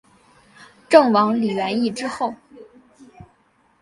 郑王李元懿之后。